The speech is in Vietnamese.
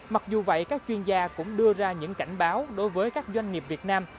mặc dù vậy các chuyên gia cũng đưa ra những cảnh báo đối với các doanh nghiệp việt nam